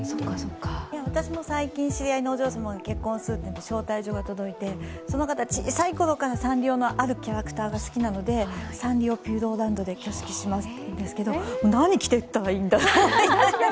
私も最近、知り合いのお嬢様が結婚するって招待状が届いてその方、小さい頃からサンリオのあるキャラクターが好きなのでサンリオピューロランドで挙式するんですけど何着てったらいいんだろって。